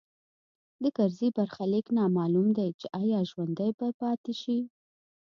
د کرزي برخلیک نامعلوم دی چې ایا ژوندی به پاتې شي